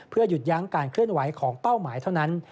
หยุดยั้งการเคลื่อนไหวของเป้าหมายเท่านั้น